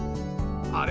あれ？